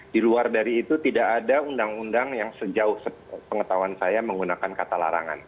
di luar dari itu tidak ada undang undang yang sejauh pengetahuan saya menggunakan kata larangan